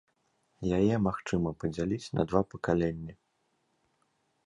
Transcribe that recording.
Яе магчыма падзяліць на два пакаленні.